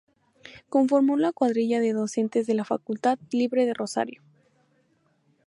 Conformó la cuadrilla de docentes de la Facultad Libre de Rosario.